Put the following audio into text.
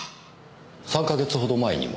３か月ほど前にも？